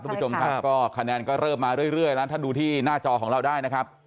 คุณผู้ชมครับก็คะแนนก็เริ่มมาเรื่อยแล้วถ้าดูที่หน้าจอของเราได้นะครับ